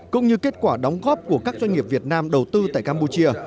cũng như kết quả đóng góp của các doanh nghiệp việt nam đầu tư tại campuchia